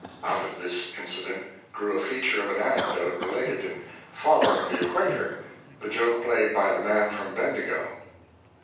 Out of this incident grew a feature of an anecdote related in Following the Equator the joke played by the man from Bendigo.